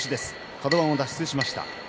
カド番を脱出しました。